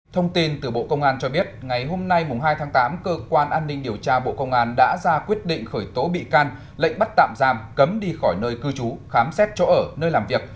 thông tin từ bộ công an cho biết ngày hôm nay hai tháng tám cơ quan an ninh điều tra bộ công an đã ra quyết định khởi tố bị can lệnh bắt tạm giam cấm đi khỏi nơi cư trú khám xét chỗ ở nơi làm việc